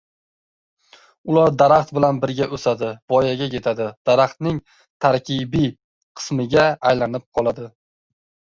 ular daraxt bilan birga o‘sadi, voyaga yetadi daraxtning tarkibiy qismiga aylanib qoladi.